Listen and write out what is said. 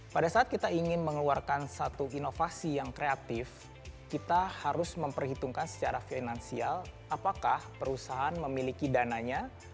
pada saat kita ingin mengeluarkan satu inovasi yang kreatif kita harus memperhitungkan secara finansial apakah perusahaan memiliki dananya